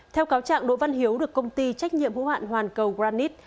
theo cáo trạng đỗ văn hiếu được công ty trách nhiệm hữu hạn hoàn cầu granite